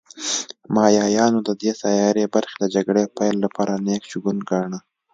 مایایانو د دې سیارې برخې د جګړې پیل لپاره نېک شګون گاڼه